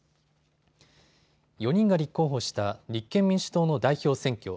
４人が立候補した立憲民主党の代表選挙。